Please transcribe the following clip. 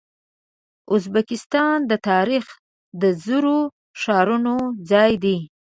ازبکستان د تاریخ د زرو ښارونو ځای دی.